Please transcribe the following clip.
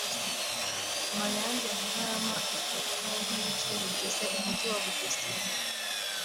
Mayange na Ntarama ifatwa nk’ibice bigize umujyi wa Bugesera